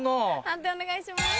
判定お願いします。